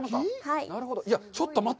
いや、ちょっと待って。